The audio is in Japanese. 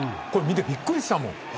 見てびっくりしたもん。